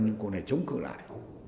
những cuộc này chống cử lại